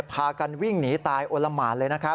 พากันวิ่งหนีตายโอนละหมานเลย